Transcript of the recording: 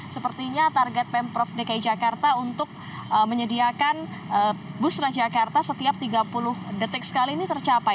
sepertinya target pemprov dki jakarta untuk menyediakan bus transjakarta setiap tiga puluh detik sekali ini tercapai